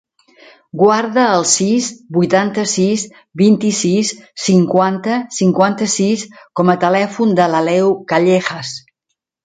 Guarda el sis, vuitanta-sis, vint-i-sis, cinquanta, cinquanta-sis com a telèfon de l'Aleu Callejas.